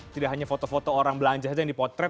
tidak hanya foto foto orang belanja saja yang dipotret